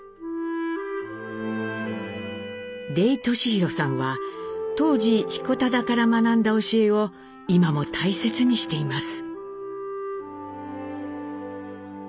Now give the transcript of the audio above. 出井俊宏さんは当時彦忠から学んだ教えを今も大切にしています。